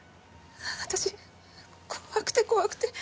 私怖くて怖くて。